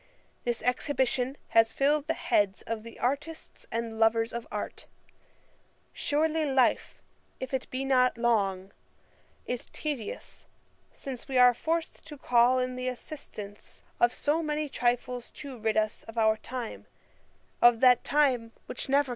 This Exhibition has filled the heads of the Artists and lovers of art. Surely life, if it be not long, is tedious, since we are forced to call in the assistance of so many trifles to rid us of our time, of that time which never can return.